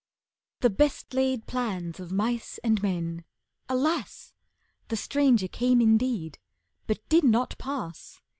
"The best laid plans of mice and men," alas! The stranger came indeed, but did not pass.